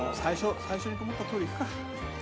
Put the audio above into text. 最初に思ったとおりいくか。